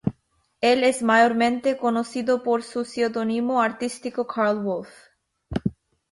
Él es mayormente conocido por su seudónimo artístico Karl Wolf.